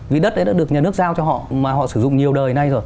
vì đất đấy đã được nhà nước giao cho họ mà họ sử dụng nhiều đời nay rồi